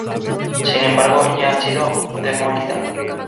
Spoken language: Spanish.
Sin embargo ya han sido demolidas.